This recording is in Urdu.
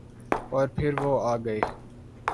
اورپھر وہ آگئے۔